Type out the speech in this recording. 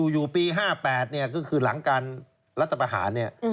อยู่ปี๕๘เนี่ยก็คือหลังการรัฐประหารเนี่ย